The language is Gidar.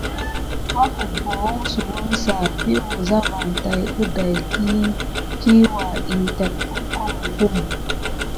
Wakəbohonsewounsa vi wuza van tay əday kiwa in tat əkamokum.